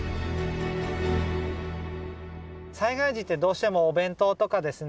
災害時ってどうしてもお弁当とかですね